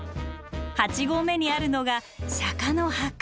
八合目にあるのが釈の墓。